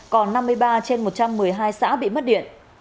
còn năm mươi ba trên một trăm một mươi hai xã bị mất điện